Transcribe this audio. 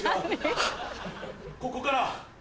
ここから。